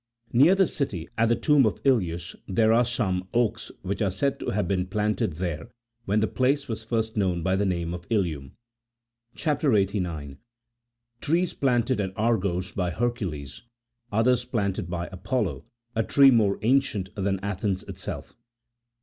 Near the citj^, at the tomb of Ilus, there are some oaks63 which are said to have been planted there when the place was first known by the name of Ilium. CHAP. 89. TREES PLANTED AT ARGOS BY HERCULES I OTHERS PLANTED BY APOLLO. A TREE MORE ANCIENT THAN ATHENS ITSELF.